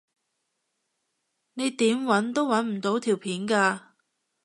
你點搵都搵唔到條片㗎